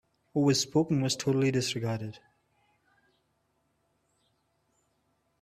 What was spoken was totally disregarded.